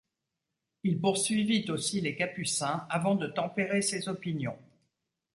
Il poursuivit aussi les Capucins, avant de tempérer ses opinions.